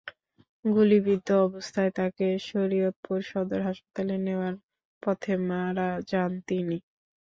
গুলিবিদ্ধ অবস্থায় তাঁকে শরীয়তপুর সদর হাসপাতালে নেওয়ার পথে মারা যান তিনি।